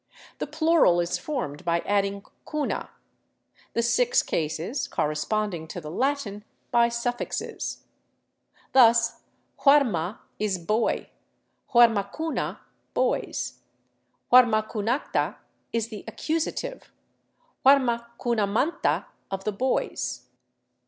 The plural is formed by adding cuna; the six cases, corresponding to the Latin, by suffixes. Thus huarma is boy, huarmacuna, boys ; huarmacunacta is the accusa tive, huarmacimamanta, of the boys.